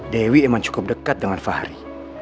dewi memang cukup dekat dengan fahri